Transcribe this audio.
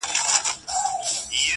چا مي وویل په غوږ کي٫